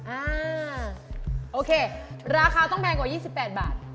อ่าโอเคราคาต้องแพงกว่า๒๘บาท